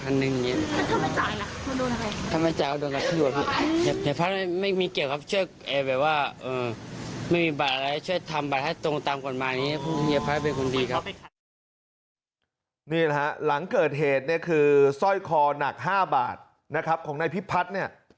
นี่แหละฮะหลังเกิดเหตุเนี่ยคือสร้อยคอหนัก๕บาทนะครับของนายพิพัฒน์เนี่ย